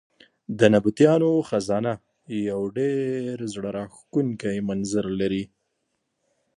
د نبطیانو خزانه یو ډېر زړه راښکونکی منظر لري.